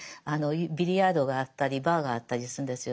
ビリヤードがあったりバーがあったりするんですよ。